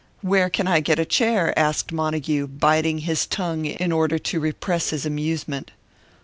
"Where can I get a chair?" asked Montague, biting his tongue in order to repress his amusement.